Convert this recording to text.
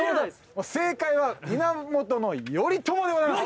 正解は源頼朝でございます。